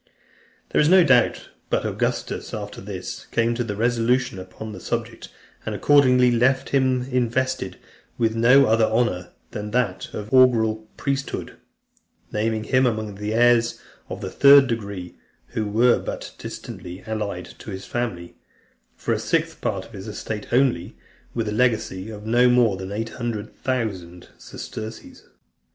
There is no doubt but Augustus, after this, came to a resolution upon the subject, and, accordingly, left him invested with no other honour than that of the Augural priesthood; naming him amongst the heirs of the third degree, who were but distantly allied to his family, for a sixth part of his estate only, with a legacy of no more than eight hundred thousand sesterces.